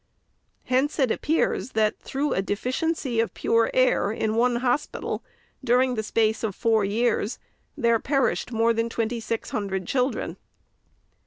Hence it appears, that, through a deficiency of pure air. in one hospital, during the space of four years, there per ished more than twenty six hundred children.